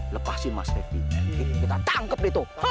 lepasin mas revi kita tangkap itu